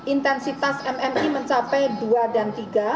intensitas mmi mencapai dua dan tiga